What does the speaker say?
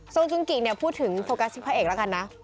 จุงกิเนี่ยพูดถึงโฟกัสที่พระเอกแล้วกันนะ